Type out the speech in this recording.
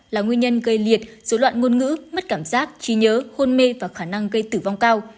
là nguyên nhân gây liệt dối loạn ngôn ngữ mất cảm giác trí nhớ hôn mê và khả năng gây tử vong cao